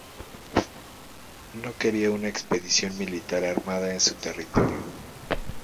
No quería una expedición militar armada en su territorio.